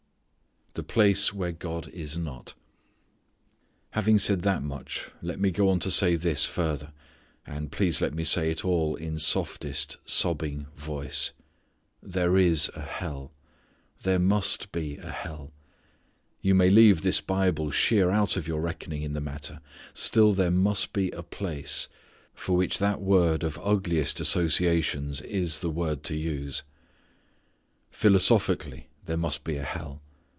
The Place Where God is Not. Having said that much let me go on to say this further, and please let me say it all in softest sobbing voice there is a hell. There must be a hell. You may leave this Bible sheer out of your reckoning in the matter. Still there must be a place for which that word of ugliest associations is the word to use. Philosophically there must be a hell.